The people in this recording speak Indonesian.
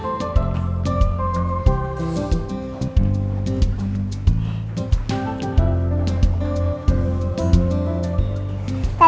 aku mau ke rumah